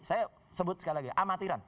saya sebut sekali lagi amatiran